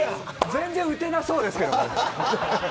全然打てなさそうですけど。